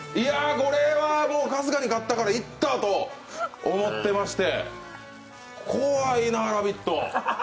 これは春日に勝ったからいった！と思ってまして怖いな、「ラヴィット！」。